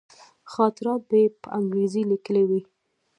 خاطرات به یې په انګرېزي لیکلي وي.